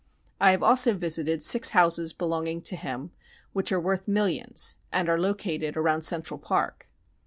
I have also visited six houses belonging to him, which are worth millions and are located around Central Park....